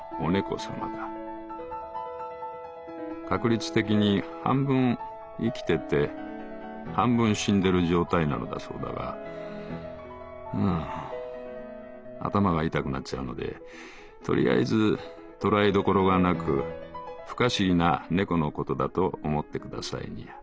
『確率的に半分生きてて半分死んでる状態』なのだそうだがうーん頭が痛くなっちゃうのでとりあえずとらえどころがなく不可思議な猫のことだと思ってくださいにゃ」。